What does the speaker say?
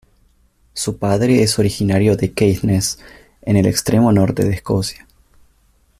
Su padre es originario de Caithness en el extremo norte de Escocia.